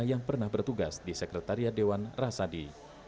yang pernah bertugas di sekretariat dewan rasadi